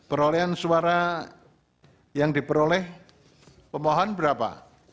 perolehan suara yang diperoleh pemohon berapa